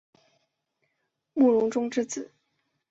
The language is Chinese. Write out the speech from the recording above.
慕容忠之子。